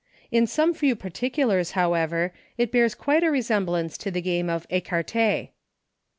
In some few particulars, however, it bears quite a resemblance to the game of Ecarte.